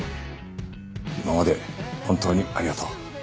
今まで本当にありがとう。